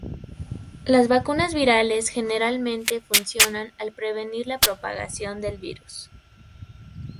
Las vacunas virales generalmente funcionan al prevenir la propagación del virus.